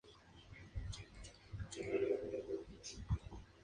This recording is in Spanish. La resistencia a su mandato tomó la forma de revueltas estudiantiles y huelgas generales.